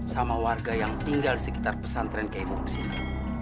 sama warga yang tinggal di sekitar pesantren kiai mugeni